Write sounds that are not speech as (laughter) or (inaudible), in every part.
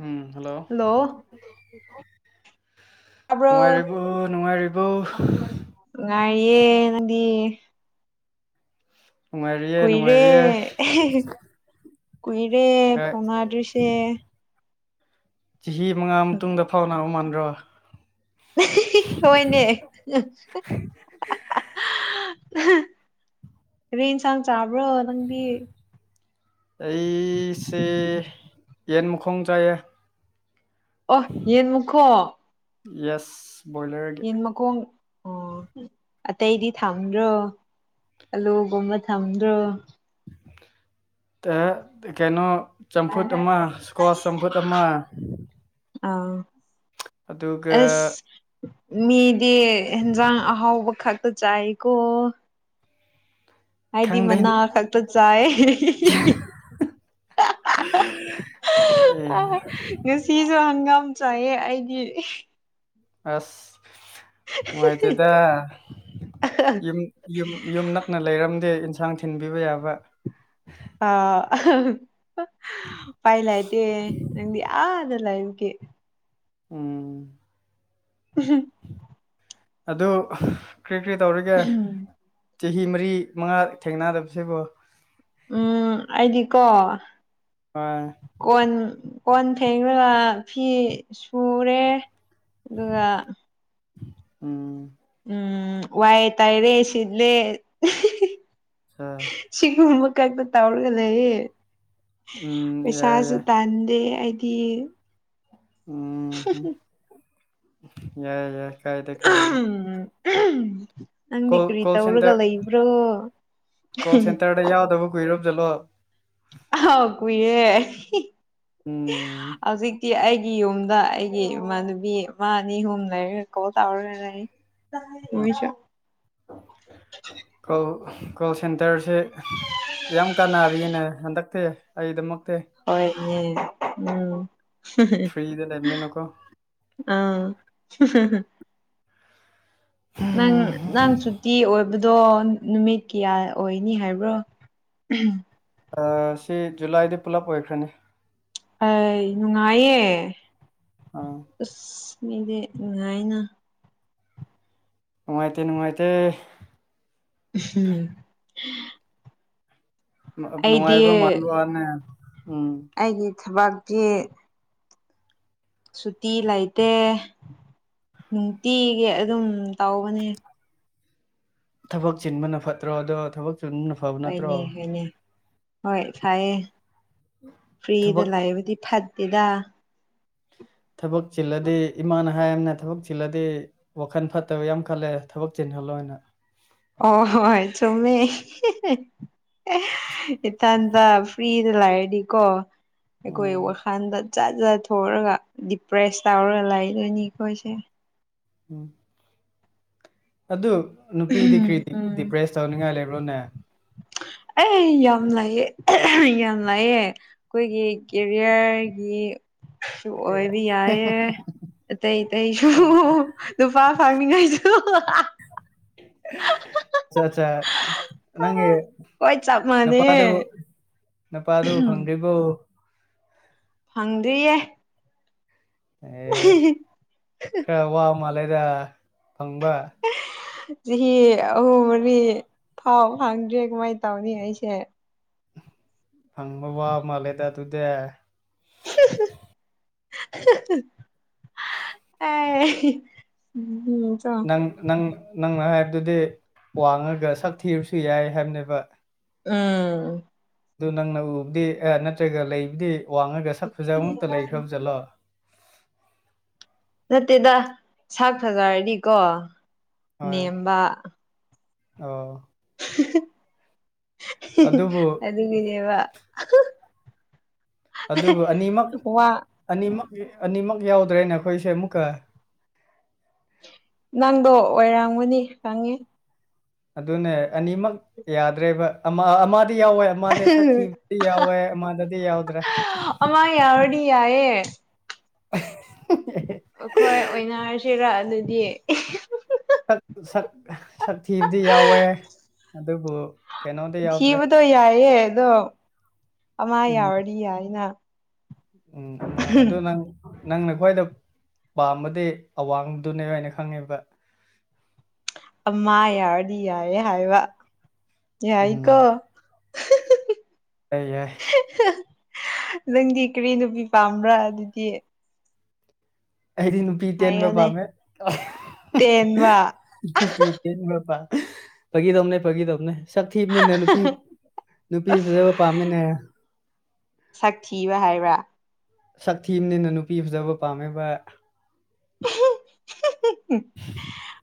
ꯎꯝ hello ꯇꯥꯕ꯭ꯔꯣ ꯅꯨꯡꯉꯥꯏꯔꯤꯕꯔꯤꯕ ꯅꯨꯡꯉꯥꯏꯔꯤꯕꯔꯤꯕꯧ ꯇꯥꯢꯌꯦ ꯅꯪꯗꯤ ꯅꯨꯡꯉꯥꯏꯔꯤꯌꯦ ꯀꯨꯏꯔꯦ ꯅꯨꯡꯉꯥꯏꯔꯤꯌꯦ ꯀꯨꯏꯔꯦ ꯐꯧꯅꯥꯗꯔꯤꯁꯦ ꯆꯍꯤ ꯃꯉꯥ ꯃꯇꯨꯡꯗ ꯐꯥꯎꯅꯕ ꯃꯥꯟꯗ꯭ꯔꯣ ꯍꯣꯏꯅꯦ ꯔꯦ ꯌꯦꯟꯁꯥꯡ ꯆꯥꯕ꯭ꯔꯣ ꯅꯪꯗꯤ ꯑꯩꯁꯦ ꯌꯦꯟ ꯃꯈꯣꯡ ꯆꯥꯏꯌꯦ ꯑꯣ ꯌꯦꯟ ꯃꯨꯈꯣ ꯌꯦꯁ ꯕꯣꯏꯂꯔꯒꯤ ꯏꯃꯀ ꯑꯣ ꯑꯇꯩꯗꯤ ꯊꯝꯗ꯭ꯔꯣ ꯑꯂꯨꯒꯨꯝꯕ ꯊꯝꯗ꯭ꯔꯣ ꯇ ꯀꯩꯅꯣ ꯆꯝꯐꯨꯠ ꯑꯥ ꯑꯃ ꯏꯁꯀ꯭ꯋꯥꯁ ꯆꯝꯐꯨꯠ ꯑꯃ ꯑꯥ ꯑꯗꯨꯒꯒ ꯃꯤꯗꯤ ꯏꯟꯖꯥꯡ ꯑꯍꯥꯎꯕ ꯈꯛꯇ ꯆꯥꯏꯀꯣ ꯍꯥꯏꯗꯤ ꯈꯪꯗꯦ ꯃꯅꯥ ꯈꯜꯛꯇ ꯆꯥꯏ ꯑꯦ ꯉꯁꯤꯁꯨ ꯍꯪꯒꯥꯝ ꯆꯥꯏꯌꯦ ꯑꯩꯗꯤ ꯑꯁ ꯃꯥꯥꯏꯇꯦꯗ ꯌ ꯌꯨꯝ ꯌꯨꯝ ꯅꯛꯅ ꯂꯩꯔꯝꯗꯦ ꯏꯟꯁꯥꯡ ꯊꯤꯟꯕꯤꯕ ꯌꯥꯕ ꯑ ꯄꯥꯏ ꯂꯑꯇꯦ ꯅꯪꯗꯤ ꯑ ꯂꯥꯏꯟ ꯀꯦ ꯎꯝ ꯎꯝ ꯑꯗꯨ ꯀꯔꯤ ꯀꯔꯤ ꯇꯧꯔꯤꯒꯦ ꯆꯍꯤ ꯃꯔꯤ ꯃꯉꯥ ꯊꯦꯡꯅꯗꯕꯕꯁꯤꯕꯣ ꯎꯝ ꯑꯩꯗꯤꯀꯣ ꯍꯣꯏ ꯀꯣꯟ ꯀꯣꯟ ꯊꯦꯡꯉꯒ ꯐꯤ ꯁꯨꯔꯦ ꯑꯗꯨꯒ ꯎꯝ ꯎꯝ ꯋꯥꯏ ꯇꯥꯏꯔꯦ ꯁꯤꯠꯂꯦ ꯑ ꯁꯤꯒꯨꯝꯕ ꯀꯛꯄ ꯇꯧꯔꯒ ꯂꯩꯌꯦ ꯎꯝ ꯌꯥꯏ ꯄꯩꯁꯥꯁꯨ ꯌꯥꯏ ꯇꯥꯟꯗꯦꯗꯤ ꯐ ꯎꯝ (inaudible) ꯌꯥꯏ ꯌꯥꯏ ꯀꯥꯏꯗꯦ ꯀꯥꯏꯗꯦ ꯅꯪꯗꯤ ꯀꯣꯜ ꯀꯔꯤ ꯀꯣꯜ ꯇꯧꯔꯒ ꯁꯦꯟꯇꯔ ꯂꯩꯕ꯭ꯔꯣ ꯀꯣꯜ ꯁꯦꯟꯇꯔꯗ (unintelligible) ꯑꯍ ꯀꯨꯏꯔꯦ ꯎꯝ ꯍꯧꯖꯤꯛꯇꯤ ꯑꯩ ꯑꯩꯒꯤ ꯌꯨꯝꯗ ꯑꯩꯒꯤ ꯏꯃꯥꯟꯅꯕꯤ ꯑꯃ ꯑꯅꯤ ꯑꯍꯨꯝ ꯂꯩꯔꯒ ꯀꯣꯜ ꯇꯧꯔꯦ ꯂꯩ ꯑ ꯃꯣꯏꯁꯨ ꯀꯣ ꯀꯣꯜ ꯁꯦꯟꯇꯔꯁꯦ ꯌꯥꯝ ꯀꯥꯟꯅꯔꯤꯅ ꯍꯟꯗꯛꯇꯤ ꯑꯩꯗꯃꯛ ꯍꯣꯏ ꯎꯝ ꯐ꯭ꯔꯤꯗ ꯂꯩꯕꯅꯤꯅꯀꯣ ꯑꯥ ꯅꯪ ꯅꯪ ꯁꯨꯇꯤ ꯑꯣꯏ ꯍꯥꯏꯕꯗꯣ ꯅꯨꯃꯤꯠ ꯀꯌꯥ ꯑꯣꯏꯅꯤ ꯍꯥꯏꯕ꯭ꯔꯣ ꯁꯤ ꯖꯨꯂꯥꯏꯗꯤ ꯄꯨꯂꯞ ꯑꯣꯏꯈ꯭ꯔꯅꯤ ꯑꯩ ꯅꯨꯡꯉꯥꯏꯌꯦ ꯑꯥ ꯑꯁ ꯃꯤꯗꯤ ꯅꯨꯡꯉꯥꯏꯅ ꯅꯨꯡꯉꯥꯏꯇꯦ ꯅꯨꯡꯉꯥꯏꯇꯦ ꯎꯝ ꯅꯨꯡꯉꯥꯏꯕ ꯃꯥꯟꯕ ꯋꯥꯅꯦ ꯎꯝ ꯊꯕꯛꯇꯤ ꯁꯨꯇꯤ ꯂꯩꯥꯇꯦ ꯅꯨꯡꯇꯤꯒꯤ ꯑꯗꯨꯝ ꯇꯧꯕꯅꯦ ꯊꯕꯛ ꯆꯤꯟꯕꯅ ꯐꯠꯇ꯭ꯔꯣ ꯑꯗꯣ ꯊꯕꯛ ꯆꯤꯟꯕꯅ ꯐꯕ ꯅꯠꯇ꯭ꯔꯣ ꯍꯣꯏꯅꯦ ꯍꯣꯏꯅꯦ ꯍꯣꯏ ꯐꯥꯏꯌꯦ ꯐ꯭ꯔꯤꯗ ꯊꯕꯛ ꯂꯕꯗꯤ ꯐꯠꯇꯦꯗ ꯊꯕꯛ ꯆꯤꯜꯂꯗꯤ ꯏꯃꯥꯅ ꯍꯥꯏꯔꯝꯅ ꯊꯕꯛ ꯆꯤꯜꯂꯗꯤ ꯋꯥꯈꯜ ꯐꯠꯇꯕ ꯌꯥꯝ ꯈꯜꯂꯦ ꯊꯕꯛ ꯍꯜꯂꯣꯏ ꯑꯣꯏꯅ ꯑꯣ ꯍꯣꯢ ꯆꯨꯝꯃꯦ ꯍꯦ ꯍꯦ ꯑꯦ ꯏꯊꯥꯟꯇ ꯐ꯭ꯔꯤꯗ ꯂꯥꯛꯔꯗꯤꯀꯣ ꯑꯩꯈꯣꯏ ꯎꯝ ꯋꯥꯈꯜꯗ ꯆꯠ ꯆꯠꯊꯑꯒ ꯗꯤꯄ꯭ꯔꯦꯁ ꯇꯧꯔꯒ ꯂꯩꯗꯣꯏꯅꯤ ꯑꯩꯈꯣꯏꯁꯦ ꯎꯝ ꯑꯗꯨ ꯅꯨꯄꯤꯗꯤ ꯎꯝ ꯀꯔꯤ ꯎꯝ ꯗꯤꯄ꯭ꯔꯦꯁ ꯇꯧꯅꯤꯡꯉꯥꯏ ꯂꯩꯕ꯭ꯔꯣꯅꯦ ꯑꯩ ꯌꯥꯝ ꯂꯩꯌꯦ ꯌꯥꯝ ꯂꯩꯌꯦ ꯑꯩꯈꯣꯏꯒꯤ ꯀꯦꯔꯤꯌꯔꯒꯤ ꯁ ꯑꯣꯏꯕ ꯌꯥꯏꯌꯦ ꯑꯇꯩ ꯑꯇꯩꯁꯨ ꯑꯠꯆꯥ ꯅꯨꯄꯥ ꯐꯪꯡꯅꯤꯡꯉꯥꯏꯁꯨ ꯑꯆꯥꯆꯥ ꯅꯪꯒꯤ ꯇꯞ ꯃꯅꯤ ꯅꯨꯄꯥꯗꯨ ꯅꯨꯄꯥꯗꯨ ꯐꯪꯗ꯭ꯔꯤꯕꯣ ꯐꯪꯗ꯭ꯔꯤꯌꯦ ꯑꯦ ꯈꯔ ꯋꯥ ꯃꯥꯜꯂꯦꯗ ꯐꯪꯕ ꯆꯍꯤ ꯑꯍꯨꯝ ꯃꯔꯤ ꯐꯥꯎ ꯐꯪꯗ꯭ꯔꯦ ꯀꯃꯥꯏꯅ ꯇꯧꯅꯤ ꯑꯩꯁꯦ ꯐꯪꯕ ꯋꯥ ꯃꯥꯜꯂꯦꯗ ꯑꯗꯨꯗꯤ ꯑꯥ ꯍꯥꯍꯥ ꯑꯦ ꯅꯪ ꯅꯪ ꯅꯪ ꯑꯗꯨꯗꯤ ꯋꯥꯡꯉꯒ ꯁꯛ ꯊꯤꯔꯁꯨ ꯌꯥꯏ ꯍꯥꯏꯕꯅꯦꯕ ꯎꯝ ꯑꯗꯨ ꯅꯪꯅ ꯎꯕꯨꯗꯤ ꯑꯦ ꯅꯠꯇ꯭ꯔꯒ ꯂꯩꯕꯨꯗꯤ ꯋꯥꯡꯉꯒ ꯁꯛ ꯐꯖꯕ ꯑꯃꯨꯛꯇ ꯂꯩꯈ꯭ꯔꯕꯖꯠꯂꯣ ꯅꯠꯇꯦꯗ ꯁꯛ ꯐꯖꯥꯔꯗꯤꯀꯣ ꯍꯣꯏ ꯅꯦꯝꯕ ꯑꯣ ꯑꯗꯨꯕꯨ ꯑꯗꯨꯒꯥꯅꯦꯕ ꯑꯗꯨꯕꯨ ꯑꯅꯤꯃꯛ ꯑꯅꯤꯃꯛ ꯑꯅꯤꯃꯛ ꯌꯥꯎꯗ꯭ꯔꯦꯅꯦ ꯑꯩꯈꯣꯏꯁꯦ ꯑꯃꯨꯛꯀ ꯅꯪꯗꯣ ꯑꯣꯢꯔꯝꯒꯅꯤ ꯈꯪꯉꯦ ꯑꯗꯨꯅꯦ ꯑꯅꯤꯃꯛ ꯌꯥꯗ꯭ꯔꯦꯕ ꯑꯃ ꯑꯃ ꯗꯤ ꯌꯥꯎꯋꯦ ꯃꯥꯗꯤ ꯁꯛꯊꯤꯕꯗꯤ ꯌꯥꯎꯋꯦ ꯃꯥꯥꯗꯗꯤ ꯌꯥꯎꯗ꯭ꯔꯦ ꯑꯃ ꯌꯥꯔꯗꯤ ꯌꯥꯏꯌꯦ ꯑ ꯑꯩꯈꯣꯏ ꯑꯣꯏꯅꯔꯁꯤꯔ ꯑꯗꯨꯗꯤ ꯁꯛ ꯁꯛ ꯑꯗꯕꯣ ꯊꯤꯕꯗꯣ ꯌꯥꯏꯑꯦ ꯑꯗꯣ ꯑꯃ ꯎꯝ ꯌꯥꯎꯔꯗꯤ ꯌꯥꯏꯅ ꯎꯝ ꯑꯗꯨꯗ ꯅꯪ ꯅꯪꯅ ꯈ꯭ꯋꯥꯏꯗ ꯄꯥꯝꯕꯗꯤ ꯑꯋꯥꯡꯕꯗꯨꯅꯦ ꯍꯥꯏꯅ ꯈꯪꯉꯦꯕ ꯑ ꯌꯥꯔꯗꯤ ꯌꯥꯏꯌꯦ ꯍꯥꯏꯕ ꯌꯥꯏꯀꯣ ꯎꯝ ꯌꯥꯏ ꯅꯪꯗꯤ ꯀꯔꯤ ꯅꯨꯄꯤ ꯄꯥꯝꯕ꯭ꯔꯥ ꯑꯗꯨꯗꯤ ꯑꯩꯗꯤ ꯅꯨꯄꯤ ꯇꯦꯟꯕ ꯍꯥꯏꯌꯣꯅꯦ ꯄꯥꯝꯃꯦ ꯇꯦꯟꯕ ꯅꯨꯄꯤ ꯇꯦꯟꯕ ꯄꯥꯝꯃꯦ ꯐꯒꯤ ꯇꯝꯅꯦ ꯐꯒꯤ ꯇꯝꯅꯦ ꯁ ꯊꯤꯕꯅꯤꯅ ꯅꯨꯄꯤ ꯅꯨꯄꯤ ꯐꯖꯕ ꯄꯥꯝꯃꯤꯅꯦ ꯁꯛ ꯊꯤꯕ ꯍꯥꯏꯕ꯭ꯔꯥ ꯁꯛꯊꯤꯝꯅꯦ ꯅꯅꯨꯄꯤꯤꯖꯕ ꯄꯥꯝꯃꯦꯕ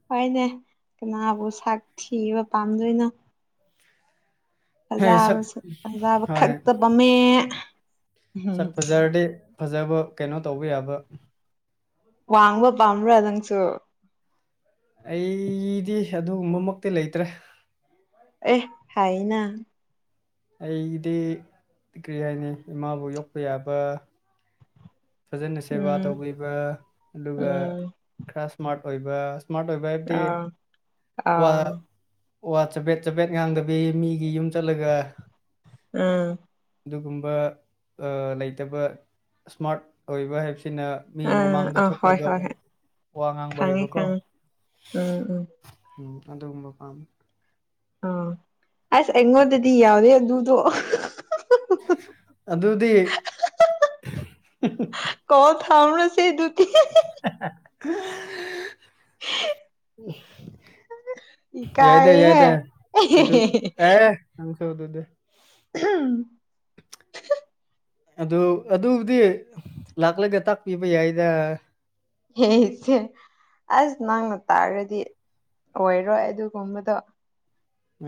ꯍꯣꯏꯅꯦ ꯀꯩꯅꯕꯨ ꯁꯛ ꯊꯤꯕꯥ ꯄꯥꯝꯗꫭꯏꯅꫭ ꯍꯦ ꯐꯖꯕ ꯁꯛ ꯐꯖꯥꯕ ꯍꯣꯏ ꯈꯛꯇꯕꯃꯦ ꯁꯛ ꯐꯖꯔꯗꯤ ꯐꯖꯕ ꯀꯩꯅꯣ ꯇꯧꯕ ꯌꯥꯕ ꯋꯥꯡꯕ ꯄꯥꯝꯕ꯭ꯔꯗꯥꯡꯁꯨꯣ ꯑꯩꯗꯤ ꯑꯗꯨꯒꯨꯝꯕꯃꯛꯇꯤ ꯂꯩꯇ꯭ꯔꯦ ꯑꯦ ꯍꯥꯏꯅ ꯑꯩꯗꯤ ꯀꯔꯤ ꯍꯥꯏꯅꯤ ꯏꯃꯥꯕꯨ ꯌꯣꯛꯄ ꯌꯥꯕ ꯐꯖꯅ ꯁꯦꯕꯥ ꯎꯝ ꯇꯧꯕꯤꯕ ꯑꯗꯨꯒ ꯎꯝ ꯈꯔ ꯁ꯭ꯃꯥꯔꯠ ꯑꯣꯏꯕ ꯏꯁꯃꯥꯠ ꯑꯣꯏꯕ ꯍꯥꯏꯕꯗꯤ ꯑ ꯑ ꯋꯥ ꯋꯥ ꯆꯄꯦꯠ ꯆꯄꯦꯠ ꯉꯥꯡꯗꯕꯤ ꯃꯤꯒꯤ ꯌꯨꯝ ꯆꯠꯂꯒ ꯎꯝ ꯑꯗꯨꯒꯨꯝꯕ ꯂꯩꯇꯕ ꯁ꯭ꯃꯥꯔꯠ ꯑꯣꯏꯕ ꯍꯥꯏꯕꯁꯤ ꯁꯤꯅ ꯃꯤ ꯎꯝ ꯑ ꯃꯃꯥꯡꯗ ꯍꯣꯏ ꯊꯣꯛꯂꯒ ꯍꯣꯏ ꯍꯣꯏ ꯋꯥ ꯉꯥꯡꯕ ꯈꯪꯉꯦ ꯍꯩꯕꯀꯣ ꯈꯪꯉꯦ ꯎꯝ ꯎꯝ ꯎꯝ ꯑꯗꯨꯒꯨꯝꯕ ꯄꯥꯝꯃꯤ ꯑ ꯑꯁ ꯑꯩꯉꯣꯟꯗꯗꯤ ꯌꯥꯎꯋꯦ ꯑꯗꯨꯗꯣ ꯑꯗꯨꯗꯤ ꯀ ꯊꯥ ꯑꯃꯅ ꯁꯤ ꯑ (unintelligible) ꯌꯥꯏꯗ ꯏꯀꯥꯏꯍꯦ ꯌꯥꯏꯗ ꯑꯗꯨ ꯑꯗꯨ ꯀ ꯗꯗ ꯎꯝ ꯑꯗꯨ ꯑꯗꯨꯕꯨꯗꯤ ꯂꯥꯛꯂꯒ ꯇꯥꯛꯄꯤꯕ ꯌꯥꯏꯗ ꯍꯆꯦ ꯑꯁ ꯅꯪꯅ ꯇꯥꯔꯒꯗꯤ ꯑꯣꯏꯔꯣꯏ ꯑꯗꯨꯒꯨꯝꯕꯗꯣ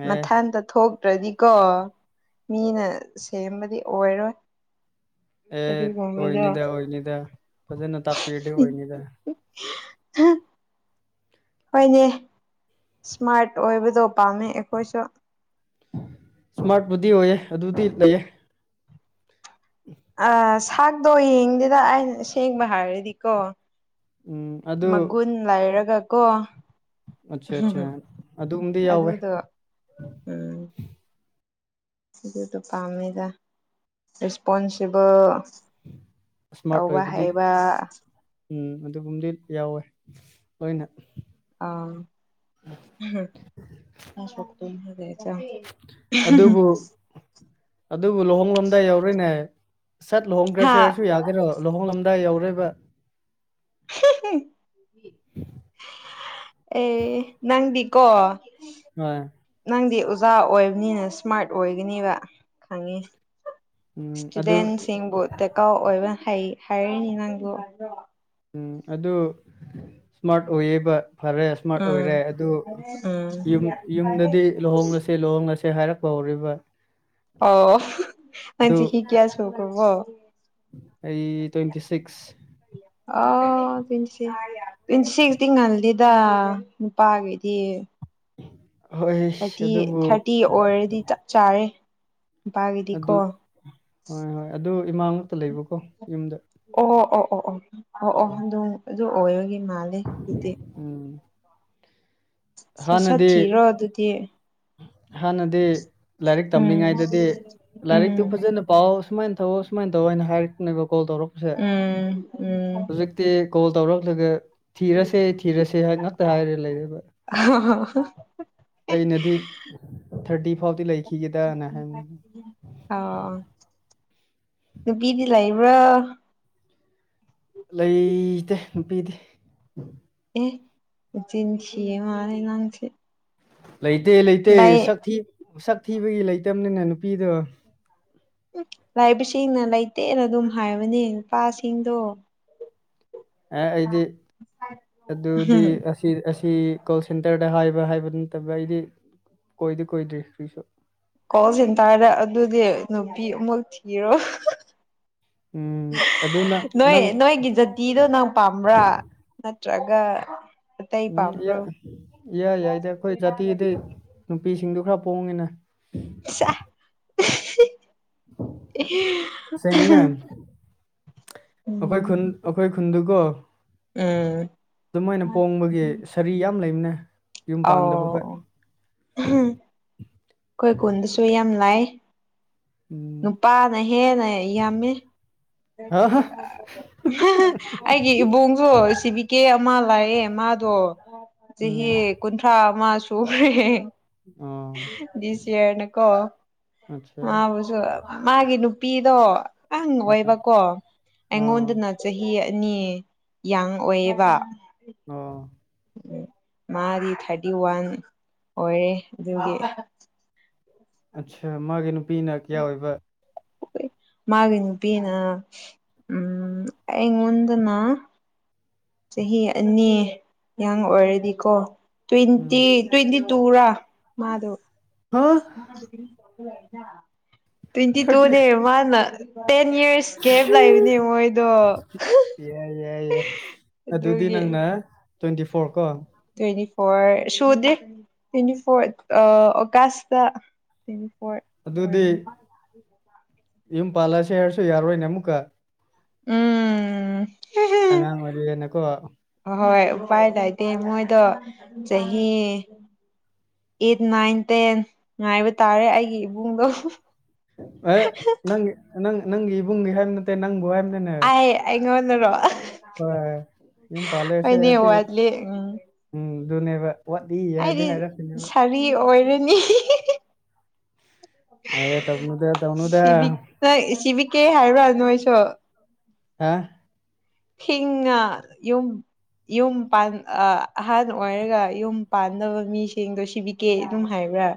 ꯑꯦ ꯃꯊꯇ ꯊꯣꯛ ꯠꯇ꯭ꯔꯗꯤꯀꯣ ꯃꯤꯅ ꯁꯦꯝꯕꯗꯤ ꯑꯣꯏꯔꯣꯏ ꯑꯦ ꯑꯗꯨꯒꯨꯝꯕꯗꯣ ꯑꯣꯏꯣꯏꯅꯤꯗ ꯑꯣꯏꯣꯏꯅꯤꯗ ꯐꯖꯅ ꯇꯥꯄꯤ ꯑꯣꯏꯣꯏꯅꯤꯗ ꯍ ꯍꯣꯏꯅꯦ ꯏꯁꯃꯥꯔꯠ ꯑꯣꯏꯕꯗꯣ ꯄꯥꯝꯃꯦ ꯑꯩꯈꯣꯏꯁꯨ ꯏꯁꯃꯥꯔꯠꯕꯨꯗꯤ ꯑꯣꯏꯌꯦ ꯑꯗꯨꯗꯤ ꯂꯩꯌꯦ ꯑ ꯁꯥꯛꯇꯣ ꯌꯦꯡꯗꯦꯗ ꯑꯩꯅ ꯁꯦꯡꯕ ꯍꯥꯏꯔꯗꯤꯀꯣ ꯎꯝ ꯑꯗꯨ ꯃꯒꯨꯟ ꯂꯩꯥꯏꯔꯒ ꯀꯣ ꯑꯠꯆꯥ ꯑꯠꯆꯥ ꯝ ꯑꯗꯨꯒꯨꯝꯕꯗꯤ ꯌꯥꯎꯋꯦ ꯑꯗꯨꯗꯣ ꯎꯝ ꯑꯗꯨꯗꯣ ꯄꯥꯝꯃꯤꯗ ꯔꯦꯁꯄꯣꯟꯁꯤꯕꯜ ꯏꯁꯃꯥꯔꯠ ꯇꯥꯎꯕ ꯑꯣꯏꯕꯗꯤ ꯍꯥꯏꯕ ꯎꯝ ꯑꯗꯨꯒꯨꯝꯕꯗꯤ ꯌꯥꯎꯋꯦ ꯂꯣꯏꯅ ꯑ (unintelligible) ꯑꯗꯨꯕꯨ ꯑꯗꯨꯕꯨ ꯂꯨꯍꯣꯡꯡꯂꯣꯝꯗ ꯌꯧꯔꯣꯏꯅꯦ ꯁꯠ ꯍꯥ ꯂꯨꯍꯣꯡꯒ꯭ꯔꯁꯦ ꯍꯥꯏꯔꯁꯨ ꯌꯥꯗꯦꯔꯣ ꯂꯨꯍꯣꯡꯡꯂꯣꯝꯗ ꯀꯗꯥꯏ ꯌꯥꯎꯔꯕ ꯑꯦ ꯅꯪꯗꯤꯀꯣ ꯍꯣꯏ ꯅꯪꯗꯤ ꯑꯣꯖꯥ ꯑꯣꯏꯕꯅꯤꯅ ꯏꯁꯃꯥꯔꯠ ꯑꯣꯏꯒꯅꯦꯕ ꯈꯪꯉꯤ ꯎꯝ ꯑꯗꯨ ꯏꯁꯇꯨꯗꯦꯟꯁꯤꯡꯕꯨ ꯇꯦꯛꯀꯀꯥꯎ ꯑꯣꯏꯕ ꯍꯩ ꯍꯥꯏꯔꯔꯤꯅꯤ ꯅꯪꯕꯨ ꯎꯝ ꯑꯗꯨ ꯁ꯭ꯃꯥꯔꯠ ꯑꯣꯏꯌꯦꯕ ꯐꯔꯦ ꯏꯁꯃꯥꯔꯠ ꯑꯣꯏꯔꯦ ꯎꯝ ꯑꯗꯨ ꯎꯝ ꯌꯨꯝ ꯌꯨꯝꯗꯗꯤ ꯂꯨꯍꯣꯡꯂꯁꯤ ꯂꯨꯍꯣꯡꯡꯂꯁꯤ ꯍꯥꯏꯔꯛꯄ ꯍꯧꯔꯤꯕ ꯑꯣ ꯃꯥ ꯑꯗꯨ ꯆꯍꯤ ꯀꯌꯥ ꯁꯨꯈꯔ꯭ꯕꯣ ꯑꯩ ꯇ꯭ꯋꯦꯟꯇꯤ ꯁꯤꯛꯁ ꯑꯣ ꯇ꯭ꯋꯦꯟ ꯇ꯭ꯋꯦꯟꯇ ꯁꯤꯛꯇꯤ ꯉꯜꯂꯤꯦꯗ ꯅꯨꯄꯥꯈꯗꯤ ꯍꯣꯏ ꯊꯥꯔꯇꯤ ꯑꯗꯨꯕꯨ ꯊꯥꯔꯇꯤ ꯑꯣꯏꯔꯗꯤ ꯆꯥꯔꯦ ꯑꯗꯨ ꯅꯨꯄꯥꯒꯤꯗꯤꯀꯣ ꯍꯣꯏ ꯍꯣꯏ ꯑꯗꯨ ꯏꯃꯥ ꯉꯇ ꯂꯩꯕꯀꯣ ꯌꯨꯝꯗ ꯑꯣ ꯑꯣ ꯑꯣ ꯑꯣ ꯑꯣꯗ ꯑꯗꯨ ꯑꯣꯏꯔꯣꯏꯒꯤ ꯃꯥꯂꯦ ꯍꯧꯖꯤꯛꯇꯤ ꯎꯝ ꯁꯠ ꯍꯥꯟꯅꯗꯤ ꯁꯠꯊꯤꯔꯣ ꯑꯗꯨꯗꯤ ꯍꯥꯟꯅꯗꯤ ꯂꯥꯏꯔꯤꯛ ꯎꯝ ꯇꯝꯂꯤꯉꯥꯏꯗꯗꯤ ꯂꯥꯏꯔꯤꯛꯇꯨ ꯎꯝ ꯐꯖꯅ ꯄꯥꯎ ꯁꯨꯃꯥꯏꯅ ꯇꯧꯑꯣ ꯁꯨꯃꯥꯏꯅ ꯇꯧ ꯍꯥꯏꯅ ꯍꯥꯏꯔꯛꯅꯦꯕ ꯀꯣꯜ ꯇꯧꯔꯛꯄꯁꯦ ꯎꯝ ꯎꯝ ꯍꯧꯖꯤꯛꯇꯤ ꯀꯣꯜ ꯇꯧꯔꯛꯂꯒ ꯊꯤꯔꯁꯦ ꯊꯤꯔꯁꯦ ꯍꯥꯏ ꯉꯇ ꯍꯥꯏꯔꯦ ꯂꯩꯔꯦꯕ ꯑꯩꯅꯗꯤ ꯊꯥꯔꯇꯤ ꯐꯥꯎꯗꯤ ꯂꯩꯈꯤꯒꯦꯗꯅ ꯍꯥꯏ ꯑꯣ ꯅꯨꯄꯤꯗꯤ ꯂꯩꯕ꯭ꯔꯥ ꯂꯩꯇꯦ ꯅꯨꯄꯤꯗꯤ ꯏꯆꯤꯟ ꯊꯤꯔꯤꯃꯜꯂꯦ ꯅꯪꯁꯦ ꯂꯩꯇꯦ ꯂꯩꯇꯦ ꯂꯩ ꯁꯛ ꯊꯤꯕꯒꯤ ꯂꯩꯇꯕꯅꯤꯅ ꯅꯨꯄꯤꯗꯣ ꯎ ꯂꯥꯏꯕꯁꯤꯡꯅ ꯂꯩꯇꯦꯅ ꯑꯗꯨꯝ ꯍꯥꯏꯕꯅꯦ ꯅꯨꯄꯥꯁꯤꯡꯗꯣ ꯑꯦ ꯑꯩꯗꯤ ꯑꯗꯨꯗꯤ ꯑꯁꯤ ꯁꯤꯤ ꯀꯣꯜ ꯁꯦꯟꯇꯔꯗ ꯍꯥꯏꯕ ꯍꯥꯏꯕ ꯅꯠꯇꯕ ꯑꯩꯗꯤ ꯀꯣꯏꯗꯤ ꯀꯣꯏꯗ꯭ꯔꯤ ꯐꯔꯤꯁꯨ ꯀꯣꯜ ꯁꯦꯟꯇꯔꯗ ꯑꯗꯨꯗꯤ ꯅꯨꯄꯤ ꯑꯃꯨꯛ ꯊꯤꯔꯣ ꯎꯝ ꯑꯗꯨꯅ ꯅꯣꯏ ꯅꯪ ꯅꯣꯏꯒꯤ ꯖꯥꯇꯤꯗꯣ ꯅꯪ ꯄꯥꯝꯕ꯭ꯔꯥ ꯇ꯭ꯔꯒ ꯎꯝ ꯏꯌꯥ ꯌꯥꯏꯗ ꯑꯩꯈꯣꯏ ꯖꯥꯇꯤꯗꯤ ꯅꯨꯄꯤꯁꯤꯡꯗꯨ ꯈꯔ ꯄꯣꯡꯉꯤꯅꯦ (inaudible) ꯁꯦꯡꯅ ꯑꯈꯣꯏ ꯎꯝ ꯈꯨꯟ ꯑꯈꯣꯏ ꯈꯨꯟ ꯈꯨꯟꯗꯨꯀꯣ ꯎꯝ ꯑꯗꯨꯃꯥꯏꯅ ꯄꯣꯡꯕꯒꯤ ꯁꯔꯤ ꯌꯥꯝ ꯂꯩꯕꯅꯦ ꯌꯨꯝ ꯄꯥꯟꯗꯕ ꯑꯣ ꯈꯣꯏ ꯑꯩꯈꯣꯏ ꯈꯨꯟꯗꯁꯨ ꯌꯥꯝ ꯂꯩ ꯎꯝ ꯅꯨꯄꯥꯅ ꯍꯦꯟꯅ ꯌꯥꯝꯃꯦ ꯍꯥ ꯍꯥ ꯑꯩꯒꯤ ꯏꯕꯨꯡꯁꯨ ꯁꯤꯕꯤ ꯀꯦ ꯃꯥ ꯂꯥꯛꯑꯦ ꯃꯥꯗꯣ ꯎꯝ ꯆꯍꯤ ꯀꯨꯟꯊ꯭ꯔꯥ ꯑꯃ ꯁꯨꯔꯦ ꯑꯣ ꯗꯤꯁꯌꯔꯅꯀꯣ ꯑꯠꯆꯥ ꯃꯥꯕꯨꯁꯨ ꯃꯥꯒꯤ ꯅꯨꯨ ꯅꯨꯄꯤꯗꯣ ꯑꯪ ꯍꯣꯏ ꯑꯣꯏꯕꯀꯣ ꯑꯣ ꯑꯩꯉꯣꯟꯗꯅ ꯆꯍꯤ ꯑꯅꯤ ꯌꯥꯡ ꯑꯣꯏꯌꯦꯕ ꯑꯣ ꯎ ꯃꯥꯗꯤ ꯊꯥꯔꯇꯤ ꯋꯥꯟ ꯑꯣꯏꯔꯦ ꯑꯗꯨꯒꯤ ꯑꯠ ꯃꯥꯒꯤ ꯅꯨꯄꯤꯅ ꯀꯌꯥ ꯑꯣꯏꯕ ꯃꯥꯒꯤ ꯅꯨꯄꯤꯅ ꯎꯝ ꯑꯩꯉꯣꯟꯗꯅ ꯆꯍꯤ ꯑꯅꯤ ꯌꯥꯡ ꯑꯣꯏꯔꯗꯤꯀꯣ ꯎꯝ ꯇ꯭ꯋꯦꯟꯇꯤ ꯇ꯭ꯋꯦꯟꯇꯤ ꯇꯨꯔꯥ ꯃꯥꯗꯧ ꯍꯥ ꯇ꯭ꯋꯦꯟꯇꯤ ꯊꯥꯔꯇꯤ ꯇꯨꯅꯦ ꯃꯅꯥ ꯇꯦꯟ ꯌꯔꯁ ꯒꯦꯞ ꯂꯩꯕꯅꯦ ꯃꯣꯏꯗꯣ ꯌꯥꯏ ꯌꯥꯏ ꯑꯗꯨꯗꯤ ꯑꯗꯨꯒꯤ ꯅꯪꯅ ꯇ꯭ꯋꯦꯟꯇꯤ ꯐꯣꯔ ꯀꯣ ꯇ꯭ꯋꯦꯟꯇꯤ ꯐꯣꯔ ꯁꯨꯗꯦ ꯇ꯭ꯋꯦꯟꯇꯤ ꯐꯣꯔ ꯑꯣꯒꯁꯇ ꯐꯣꯔ ꯑꯗꯨꯗꯤ ꯑꯣꯏꯔꯅꯤ ꯌꯨꯝ ꯄꯥꯜꯂꯁꯦ ꯍꯥꯏꯔꯁꯨ ꯌꯥꯔꯣꯏꯅꯦ ꯑꯃꯨꯛꯀ ꯎꯝ ꯑꯉꯥꯡ ꯑꯣꯏꯔꯤꯌꯦꯅꯦꯀꯣ ꯑꯍꯣꯏ ꯎꯄꯥꯏ ꯂꯩꯇꯦ ꯃꯣꯏꯗꯣ ꯆꯍꯤ ꯑꯦꯠ ꯅꯥꯏꯟ ꯇꯦꯟ ꯉꯥꯏꯕ ꯇꯥꯔꯦ ꯑꯩꯒꯤ ꯏꯕꯨꯡꯗꯣ ꯑꯦ ꯅꯪꯒꯤ ꯅꯪ ꯅꯪꯒꯤ ꯏꯕꯨꯡꯒꯤ ꯍꯥꯏꯕ ꯅꯠꯇꯦ ꯅꯪꯕꯨ ꯍꯥꯏ ꯑꯩ ꯑꯩꯉꯣꯟꯗꯔꯣ ꯍꯣꯏ ꯌꯨꯝ ꯄꯥꯜꯂꯦ ꯍꯥꯏꯁꯦ ꯑꯩꯅꯦ ꯍꯥꯏꯕꯗꯤ ꯋꯥꯠꯂꯤ ꯎꯝ ꯎꯝ ꯑꯗꯨꯅꯦꯕ ꯋꯥꯠꯂꯤ ꯍꯥꯏꯗꯤ ꯑꯩꯗꯤ ꯍꯥꯏꯔꯛꯅꯦꯕ ꯁꯥꯔꯤ ꯑꯣꯏꯔꯅꯤ ꯑꯦ ꯇꯧꯅꯨꯗ ꯇꯧꯅꯨꯗ ꯁꯤ ꯅꯪ ꯁꯤꯕꯤꯀꯦ ꯍꯥꯏꯔꯥ ꯅꯣꯏꯁꯨ ꯍꯥ ꯍꯤꯡꯅ ꯌꯨꯝ ꯌꯨꯝ ꯄꯟ ꯑꯍꯥꯟ ꯑꯣꯏꯔꯒ ꯌꯨꯝ ꯄꯥꯟꯅꯕ ꯃꯤꯁꯤꯡꯗꯣ ꯁꯤꯕꯤꯒꯦ ꯑꯗꯨꯝ ꯍꯥꯏꯕ꯭ꯔꯥ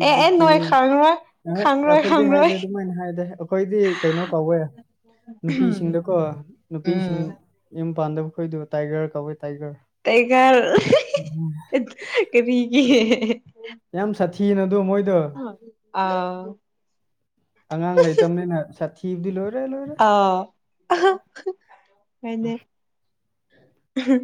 ꯑꯦ ꯑꯦ ꯅꯣꯏ ꯈꯪꯔꯣꯏ ꯈꯪꯔꯣꯏ ꯑꯩꯈꯣꯏꯗꯤ ꯍꯥꯏꯗꯦ ꯈꯪꯔꯣꯏ ꯑꯗꯨꯃꯥꯏꯅ ꯍꯥꯏꯗꯦ ꯑꯩꯈꯣꯏꯗꯤ ꯀꯩꯅꯣ ꯀꯧꯋꯦ ꯅꯨꯄꯤꯁꯤꯡꯗꯀꯣ ꯎꯝ ꯅꯨꯄꯤꯁꯤꯡ ꯥꯄꯥꯟꯗꯕ ꯈꯣꯏꯗꯣ ꯇꯥꯏꯒꯔ ꯀꯧꯋꯦ ꯇꯥꯏꯒꯔ ꯇꯥꯏꯒꯔ ꯀꯔꯤꯒꯤ ꯌꯥꯝ ꯁꯥꯊꯤꯅ ꯑꯗꯨ ꯃꯣꯏ ꯑꯥ ꯑꯉꯥꯡ ꯂꯩꯇꯝꯅꯤꯅ (unintelligible)